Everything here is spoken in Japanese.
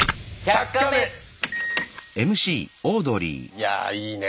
いやぁいいね